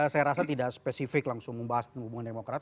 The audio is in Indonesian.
saya rasa tidak spesifik langsung membahas hubungan demokrat